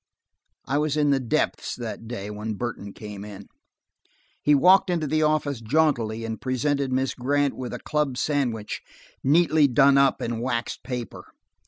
I was in the depths that day when Burton came in. He walked into the office jauntily and presented Miss Grant with a club sandwich neatly done up in waxed paper.